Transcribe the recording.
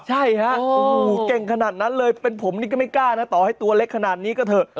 ใช่ฮะเก่งขนาดนั้นเลยเป็นผมนี่ก็ไม่กล้านะต่อให้ตัวเล็กขนาดนี้ก็เถอะ